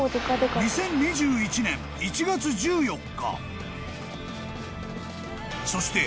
［２０２２年４月２４日］